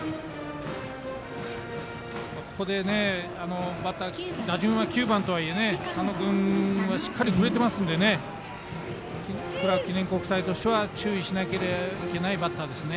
ここで、バッター打順は９番とはいえ佐野君はしっかり振れてますのでクラーク記念国際としては注意しなければいけないバッターです。